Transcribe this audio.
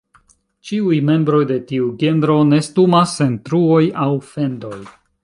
Ĉiuj membroj de tiu genro nestumas en truoj aŭ fendoj.